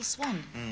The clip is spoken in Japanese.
うん。